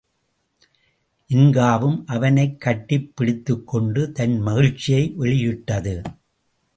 ஜின்காவும் அவனைக் கட்டிப் பிடித்துக்கொண்டு தன் மகிழ்ச்சியை வெளியிட்டது.